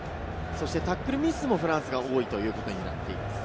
タックルミスもフランスが多いということになっています。